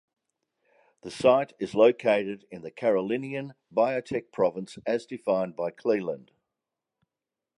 The site is located in the Carolinian Biotic Province as defined by Cleland.